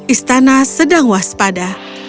istana sedang waspada